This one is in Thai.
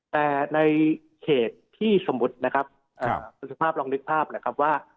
แต่ในเขตที่สมมุตินะครับคุณสุภาพลองนึกภาพนะครับว่า